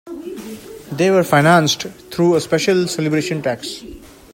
They were financed through a special celebration tax.